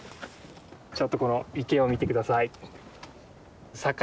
ちょっとこの池を見て下さい。